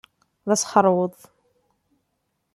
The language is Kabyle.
D asxeṛweḍ.